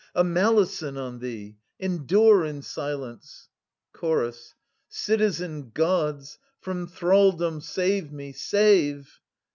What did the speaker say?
A malison on thee ! Endure in silence ! Chorus. Citizen gods, from thraldom save me — save